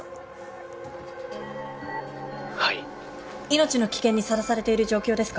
命の危険にさらされている状況ですか？